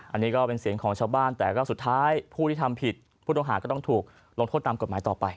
อันนี้ก็เป็นเสียงของชาวบ้านแต่ก็สุดท้ายผู้ที่ทำผิดผู้ต้องหาก็ต้องถูกลงโทษตามกฎหมายต่อไป